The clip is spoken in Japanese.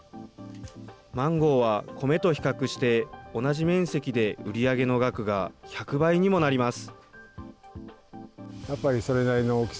マンゴーは米と比較して、同じ面積で売り上げの額が１００倍にもなります。